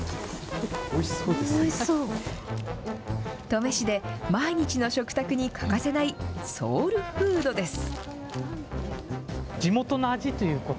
登米市で毎日の食卓に欠かせないソウルフードです。